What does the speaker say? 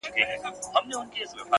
واه واه؛ خُم د شرابو ته راپرېوتم؛ بیا؛